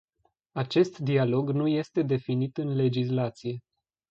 Acest dialog nu este definit în legislație.